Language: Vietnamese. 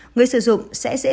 người sử dụng sẽ diễn ra